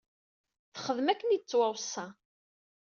Texdem akken i d-tettwaweṣṣa.